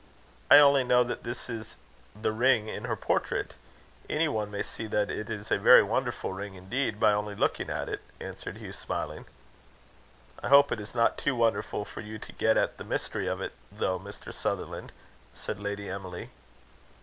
"I only know that this is the ring in her portrait. Any one may see that it is a very wonderful ring indeed, by only looking at it," answered Hugh, smiling. "I hope it is not too wonderful for you to get at the mystery of it, though, Mr. Sutherland?" said Lady Emily.